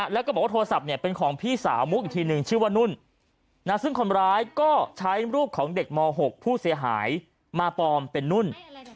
แล้วก็บอกว่าโทรศัพท์เนี่ยเป็นของพี่สาวมุกอีกทีนึงชื่อว่านุ่นซึ่งคนร้ายก็ใช้รูปของเด็กม๖ผู้เสียหายมาปลอมเป็นนุ่น